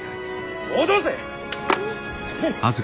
戻せ！